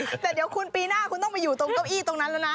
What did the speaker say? แต่เดี๋ยวคุณปีหน้าคุณต้องไปอยู่ตรงเก้าอี้ตรงนั้นแล้วนะ